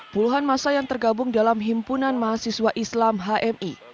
puluhan masa yang tergabung dalam himpunan mahasiswa islam hmi